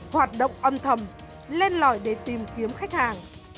các dân thầm lên lõi để tìm kiếm khách hàng